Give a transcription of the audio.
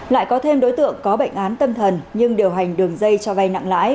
lại có thêm đối tượng có bệnh án tâm thần nhưng điều hành đường dây cho vay nặng lãi